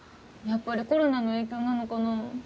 やっぱりコロナの影響なのかな。